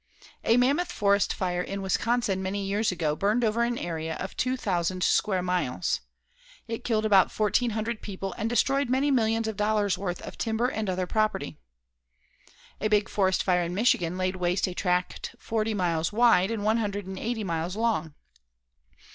A mammoth forest fire in Wisconsin many years ago burned over an area of two thousand square miles. It killed about fourteen hundred people and destroyed many millions of dollars worth of timber and other property. A big forest fire in Michigan laid waste a tract forty miles wide and one hundred and eighty miles long.